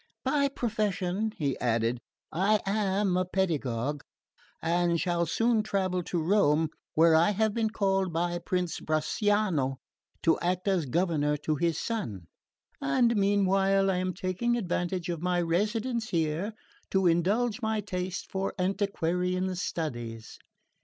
"By profession," he added, "I am a pedagogue, and shall soon travel to Rome, where I have been called by Prince Bracciano to act as governor to his son; and meanwhile I am taking advantage of my residence here to indulge my taste for antiquarian studies."